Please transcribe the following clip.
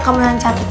kamu yang cantik